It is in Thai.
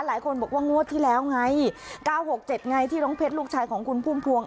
หลายคนบอกว่างวดที่แล้วไง๙๖๗ไงที่น้องเพชรลูกชายของคุณพุ่มพวง